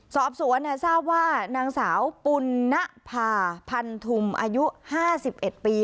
สอบสวนเนี่ยทราบว่านางสาวปุ่นนภาพันธุมอายุห้าสิบเอ็ดปี